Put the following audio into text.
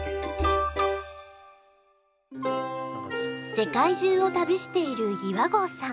世界中を旅している岩合さん。